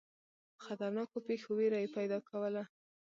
خطرناکو پیښو وېره یې پیدا کوله.